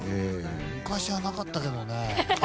昔はなかったけどね。